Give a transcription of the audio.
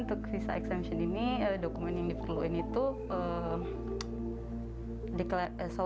untuk visa peninggalan ini dokumen yang diperlukan adalah